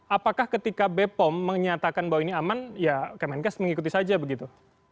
apakah ketika bepom menyatakan bahwa ini aman ya kemenkes mengikuti saja begitu